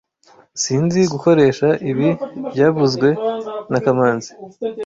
Sinzi gukoresha ibi byavuzwe na kamanzi